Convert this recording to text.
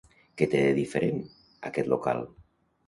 Què té, de diferent, aquest local?